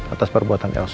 atas perbuatan elsa